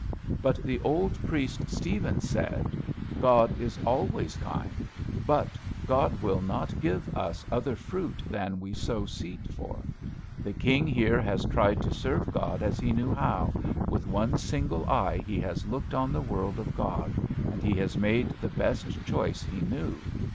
But the old priest Stephen, said, "God is always kind. But God will not give us other fruit than we sow seed for. The King here has tried to serve God as he knew how; with one single eye he has looked on the world of God, and he has made the best choice he knew.